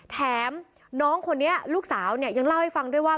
แถมน้องคนนี้ลูกสาวเนี่ยยังเล่าให้ฟังด้วยว่า